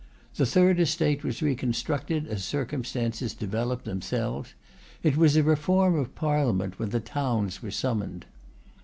The Third Estate was reconstructed as circumstances developed themselves. It was a Reform of Parliament when the towns were summoned.